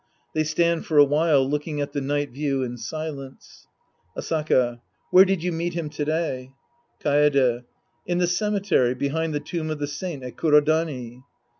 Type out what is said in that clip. {They stand for a while looking at the night view in silence^ Asaka. Where did you meet him to day ? Kaede. In the cemetery behind the tomb of the saint at Kurodani.